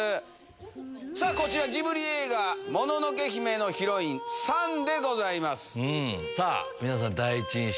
さあ、こちら、ジブリ映画、もののけ姫のヒロイン、さあ、皆さん、第一印象。